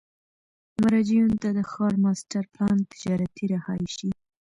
مراجعینو ته د ښار ماسټر پلان، تجارتي، رهایشي،